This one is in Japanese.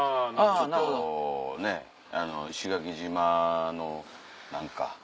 ちょっとね石垣島の何か。